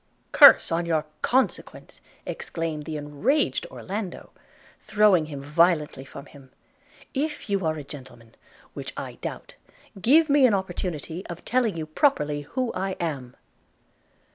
'Curse on your consequence!' exclaimed the enraged Orlando, throwing him violently from him: 'If you are a gentleman, which I doubt, give me an opportunity of telling you properly who I am.'